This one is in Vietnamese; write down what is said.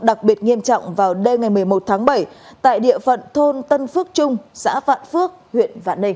đặc biệt nghiêm trọng vào đêm ngày một mươi một tháng bảy tại địa phận thôn tân phước trung xã vạn phước huyện vạn ninh